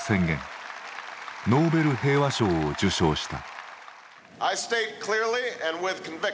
ノーベル平和賞を受賞した。